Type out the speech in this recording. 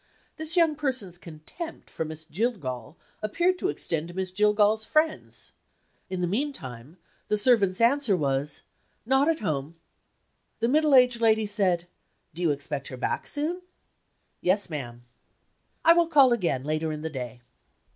This young person's contempt for Miss Jillgall appeared to extend to Miss Jillgall's friends. In the meantime, the servant's answer was: "Not at home." The middle aged lady said: "Do you expect her back soon?" "Yes, ma'am." "I will call again, later in the day."